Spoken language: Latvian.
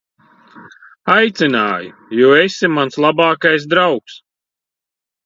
Aicināju, jo esi mans labākais draugs.